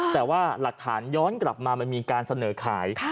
แต่ว่าหลักฐานย้อนกลับมามันมีการเสนอขาย